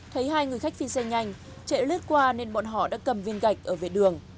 thấy hai người khách phi xe nhanh chạy lướt qua nên bọn họ đã cầm viên gạch ở vệ đường